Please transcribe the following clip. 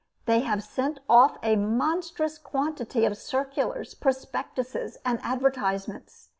They have sent off a monstrous quantity of circulars, prospectuses and advertisements.